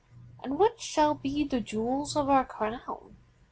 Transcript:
And what shall be the jewels of our crown?